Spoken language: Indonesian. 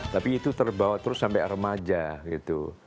tapi itu terbawa terus sampai remaja gitu